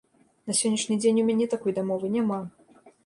На сённяшні дзень у мяне такой дамовы няма.